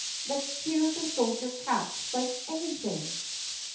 Let 's cheer the soldier cats like anything!